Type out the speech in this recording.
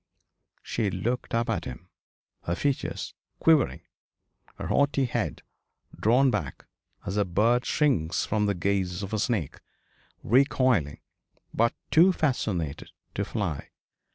She looked up at him, her features quivering, her haughty head drawn back; as a bird shrinks from the gaze of a snake, recoiling, but too fascinated to fly.